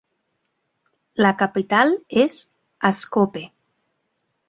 La capital és Ascope.